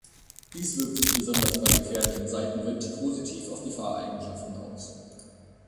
Dies wirkt sich besonders bei gefährlichem Seitenwind positiv auf die Fahreigenschaften aus.